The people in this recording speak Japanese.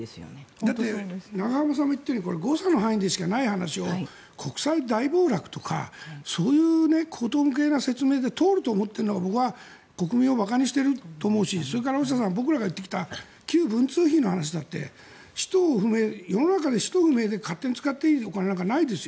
だって永濱さんも言っているように誤差の範囲でしかないような話を国債大暴落とかそういう荒唐無稽な説明で通ると思うのが、僕は国民を馬鹿にしてると思うしそれから僕らがやってきた旧文通費の話だって世の中で使途不明で勝手に使っていいお金なんかないですよ。